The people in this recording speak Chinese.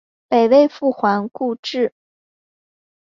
北魏复还故治。